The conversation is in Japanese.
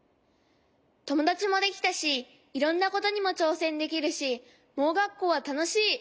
ともだちもできたしいろんなことにもちょうせんできるし盲学校はたのしい！